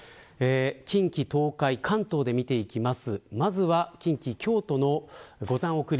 近畿、東海、関東で見ていきます。